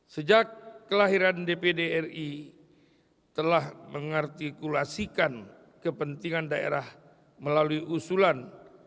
sejak kelahiran dpd ri telah mengartikulasikan kepentingan daerah melalui usulan